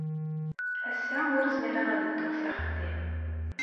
Ass-a ur zmireɣ ad dduɣ s axeddim.